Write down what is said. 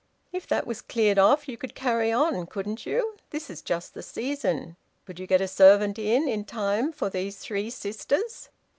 "If that was cleared off, you could carry on, couldn't you? This is just the season. Could you get a servant in, in time for these three sisters?"